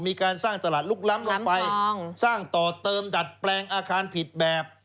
มีการสร้างตลาดลุกล้ำลงไปสร้างต่อเติมดัดแปลงอาคารผิดแบบ